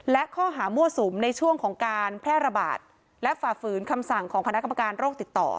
และข้อหามั่วสุมในช่วงของการแพร่ระบาดและฝ่าฝืนคำสั่งของคณะกรรมการโรคติดต่อ